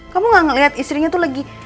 kamu gak ngeliat istrinya tuh lagi